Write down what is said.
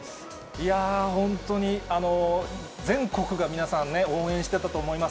いやー、本当に、全国が皆さんね、応援してたと思います。